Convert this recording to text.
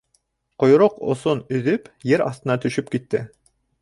Ҡойроҡ осон өҙөп, ер аҫтына төшөп китте.